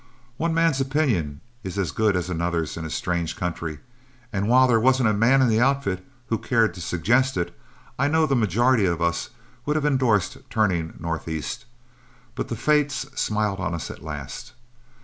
One man's opinion is as good as another's in a strange country, and while there wasn't a man in the outfit who cared to suggest it, I know the majority of us would have indorsed turning northeast. But the fates smiled on us at last.